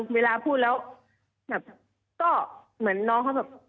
เวลาพูดแล้วแบบก็เหมือนน้องเขาแบบ